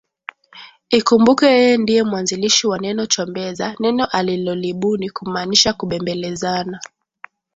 Ikumbukwe yeye ndiye mwanzilishi wa neno Chombeza neno alilolibuni kumaanisha kubembelezana